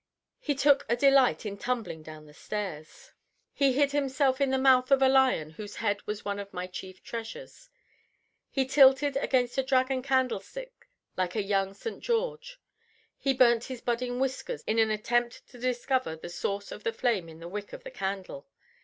He took a delight in tumbling down the stairs; he hid himself in the mouth of a lion whose head was one of my chief treasures; he tilted against a dragon candlestick like a young St. George; he burnt his budding whiskers in an attempt to discover the source of the flame in the wick of the candle.